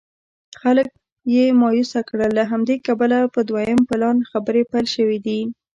خلک یې مایوسه کړل له همدې کبله په دویم پلان خبرې پیل شوې دي.